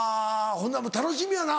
ほんなら楽しみやな。